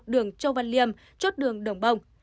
đường châu văn liêm chốt đường đồng bông